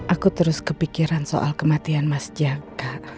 aku terus kepikiran soal kematian mas jaka